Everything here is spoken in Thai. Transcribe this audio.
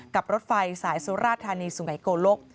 กับรถไฟสายสุราธานีสุไงโกลก